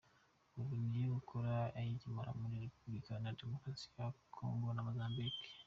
Ubu iyo akora ayigemura muri Repubulika Iharanira Demokarasi ya Congo na Mozambique.